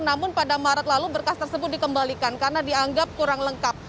namun pada maret lalu berkas tersebut dikembalikan karena dianggap kurang lengkap